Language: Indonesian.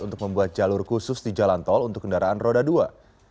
untuk membuat jalur khusus di jalan tol untuk kendaraan roda dua